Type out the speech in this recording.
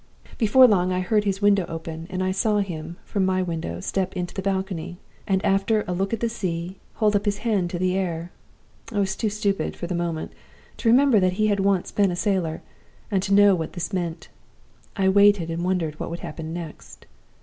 "Before long I heard his window opened, and I saw him, from my window, step into the balcony, and, after a look at the sea, hold up his hand to the air. I was too stupid, for the moment, to remember that he had once been a sailor, and to know what this meant. I waited, and wondered what would happen next.